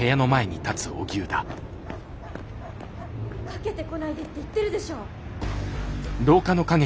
かけてこないでって言ってるでしょ！